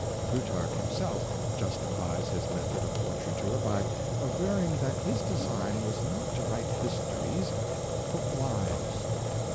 Plutarch himself justifies his method of portraiture by averring that his design was not to write histories, but lives.